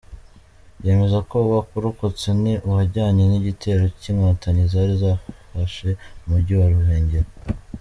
Yemeza ko uwarokotse ni uwajyanye n’igitero cy’inkotanyi zari zafashe umujyi wa Ruhengeri.